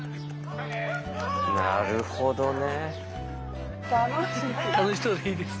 なるほどね。